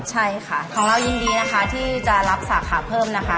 ใช่ค่ะของเรายินดีนะคะที่จะรับสาขาเพิ่มนะคะ